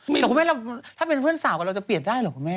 แต่คุณแม่ถ้าเป็นเพื่อนสาวกับเราจะเปลี่ยนได้เหรอคุณแม่